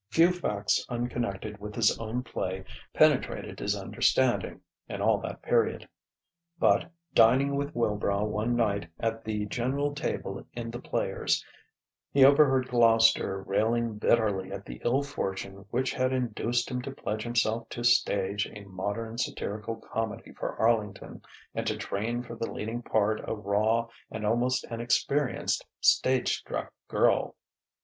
Few facts unconnected with his own play penetrated his understanding, in all that period. But, dining with Wilbrow one night at the general table in the Players, he overheard Gloucester railing bitterly at the ill fortune which had induced him to pledge himself to stage a modern satirical comedy for Arlington and to train for the leading part a raw and almost inexperienced stage struck girl.